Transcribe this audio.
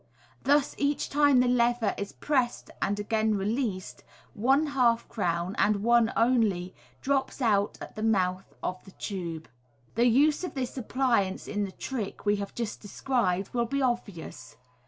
Thus each time the lever is pressed and again released, one half crown, and one only, drops out at the mouth of the tube. The use of this appliance in the trick we have just described will be obvious.